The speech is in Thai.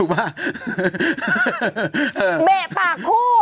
แบะปากผู้